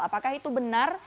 apakah itu benar